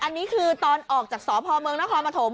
อันนี้คือตอนออกจากสพเมืองนครปฐม